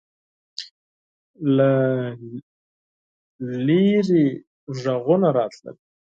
له لیرې غږونه راتلل.